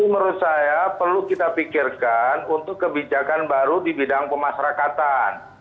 menurut saya perlu kita pikirkan untuk kebijakan baru di bidang pemasrakatan